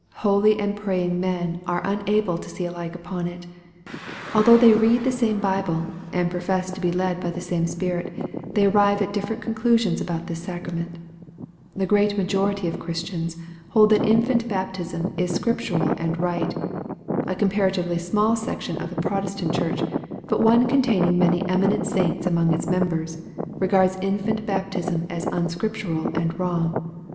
Holy and praying men are unable to see alike upon it. Although they read the same Bible, and profess to be led by the same Spirit, they arrive at diiferent conclusions about this sacrament. The great majority of Christians hold that infant baptism is scrip tural and right. A comparatively small section of the Protestant Church, but one containing many eminent saints among its members, regards infant baptism as unscriptural and wrong.